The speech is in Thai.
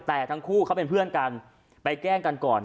แต่ทั้งคู่เขาเป็นเพื่อนกันไปแกล้งกันก่อน